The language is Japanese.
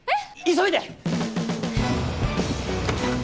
急いで。